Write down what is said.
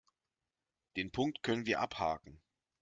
Den Punkt können wir abhaken.